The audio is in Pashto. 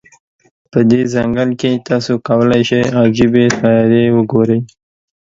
په دې ځنګل کې، تاسو کولای شی عجيبې سیارې وګوری.